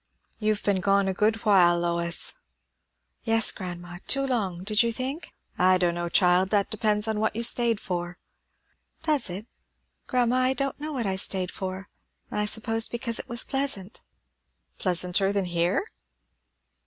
"You've been gone a good while, Lois!" "Yes, grandma. Too long, did you think?" "I don' know, child. That depends on what you stayed for." "Does it? Grandma, I don't know what I stayed for. I suppose because it was pleasant." "Pleasanter than here?"